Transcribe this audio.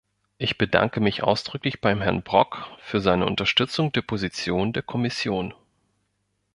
Ich bedanke mich ausdrücklich bei Herrn Brok für seine Unterstützung der Position der Kommission.